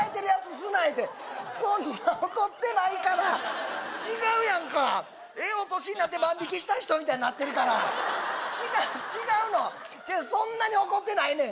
すな言うてそんな怒ってないから違うやんかええお年になって万引きした人みたいになってるから違う違うのそんなに怒ってないねん